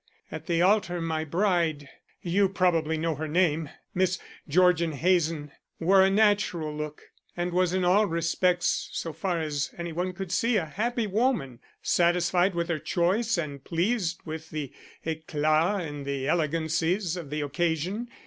At the altar my bride you probably know her name, Miss Georgian Hazen wore a natural look, and was in all respects, so far as any one could see, a happy woman, satisfied with her choice and pleased with the éclat and elegancies of the occasion.